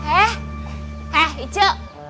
eh eh icuk